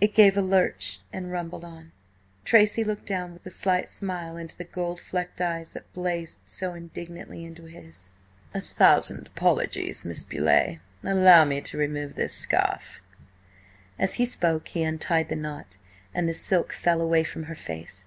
It gave a lurch and rumbled on. Tracy looked down with a slight smile into the gold flecked eyes that blazed so indignantly into his. "A thousand apologies, Miss Beauleigh! Allow me to remove this scarf." As he spoke he untied the knot, and the silk fell away from her face.